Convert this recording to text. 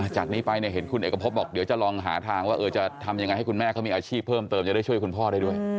จากนี้ไปเนี่ยเห็นคุณเอกพบบอกเดี๋ยวจะลองหาทางว่าจะทำยังไงให้คุณแม่เขามีอาชีพเพิ่มเติมจะได้ช่วยคุณพ่อได้ด้วย